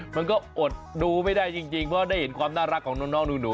มันก็อดดูไม่ได้จริงเพราะได้เห็นความน่ารักของน้องหนู